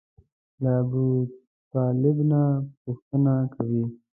له ابوطالب نه پوښتنه کوي.